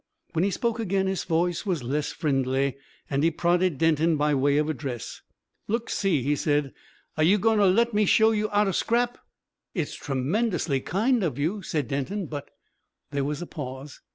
When he spoke again his voice was less friendly, and he prodded Denton by way of address. "Look see!" he said: "are you going to let me show you 'ow to scrap?" "It's tremendously kind of you," said Denton; "but " There was a pause.